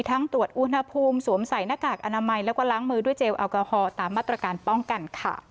ตรวจอุณหภูมิสวมใส่หน้ากากอนามัยแล้วก็ล้างมือด้วยเจลแอลกอฮอล์ตามมาตรการป้องกันค่ะ